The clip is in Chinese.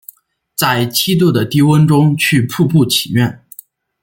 在七度的低温中去瀑布祈愿